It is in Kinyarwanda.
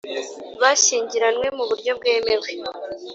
bashyingiranywe mu buryo bwemewe